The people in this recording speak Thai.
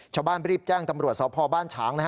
ชาวบ้านรีบแจ้งตำรวจสพบ้านฉาง